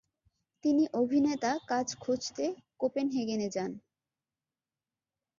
তিনি অভিনেতা কাজ খোঁজতে কোপেনহেগেনে যান।